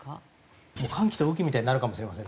乾期と雨期みたいになるかもしれませんね。